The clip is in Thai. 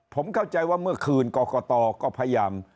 ผมเข้าใจว่าเมื่อคืนกรกตก็พยายาม